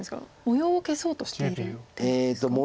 模様を消そうとしている手ですか？